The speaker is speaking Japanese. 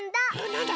なんだ？